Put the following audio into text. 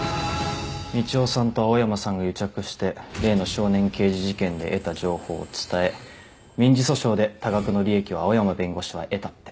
みちおさんと青山さんが癒着して例の少年刑事事件で得た情報を伝え民事訴訟で多額の利益を青山弁護士は得たって。